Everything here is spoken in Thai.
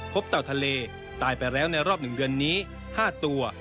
เต่าทะเลตายไปแล้วในรอบ๑เดือนนี้๕ตัว